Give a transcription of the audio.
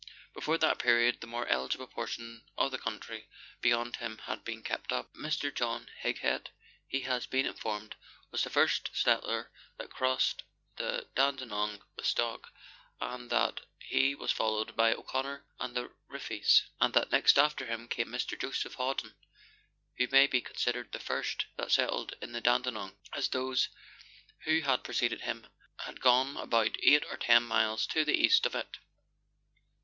Before that period the more eligible portion of the country beyond him had been taken up. Mr. John Highett, he has been informed, was the first settler that crossed the Dandenong with stock, and that he was followed by O'Connor and the Ruffys, and that next after them came Mr. Joseph Hawdon, who may be considered the first that settled on the Dandenong, as those who had preceded him had gone about eight or ten miles to the east of it.